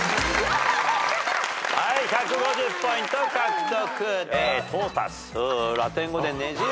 はい１５０ポイント獲得。